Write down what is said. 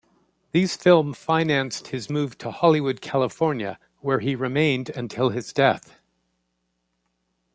These films financed his move to Hollywood, California, where he remained until his death.